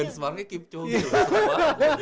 benchmark nya keep jogging